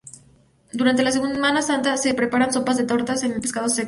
Durante la Semana Santa, se preparan sopas de tortas de pescado seco.